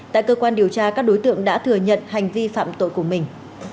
tại cơ quan điều tra các đối tượng đã thừa nhận hành vi phạm tội của mình